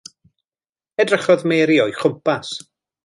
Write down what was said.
Edrychodd Mary o'i chwmpas.